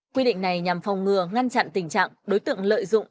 quy định này nhằm phòng ngừa ngăn chặn tình trạng đối tượng lợi dụng